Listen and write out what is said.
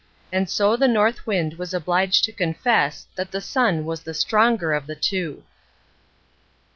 And so the North Wind was obliged to confess that the Sun was the stronger of the two.